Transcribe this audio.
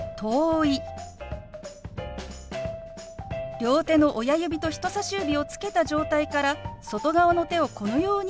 両手の親指と人さし指をつけた状態から外側の手をこのように動かします。